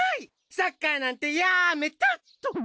サッカーなんてやめたっと！